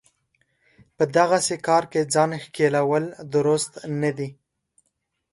په دغسې کار کې ځان ښکېلول درست نه دی.